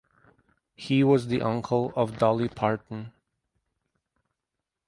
He was the uncle of Dolly Parton.